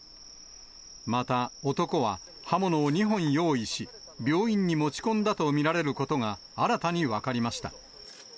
また、男は刃物を２本用意し、病院に持ち込んだと見られることが新たに分かりました。